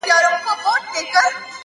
د ارادې ځواک د خنډونو قد ټیټوي،